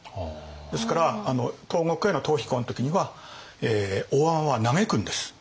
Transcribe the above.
ですから東国への逃避行の時には大海人は嘆くんです。